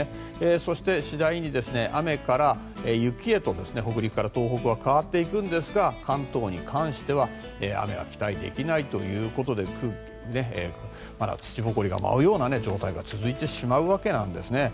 そして、次第に雨から雪へと北陸から東北は変わっていくんですが関東に関しては雨は期待できないということでまだ土ぼこりが舞うような状態が続いてしまうわけですね。